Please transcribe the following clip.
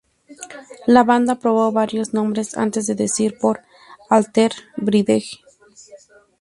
La banda probó varios nombres antes de decidirse por "Alter Bridge".